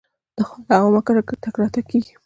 د خاله او عمه کره تګ راتګ کیږي.